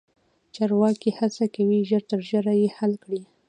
چارواکي هڅه کوي چې ژر تر ژره یې حل کړي.